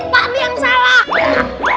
pak di yang salah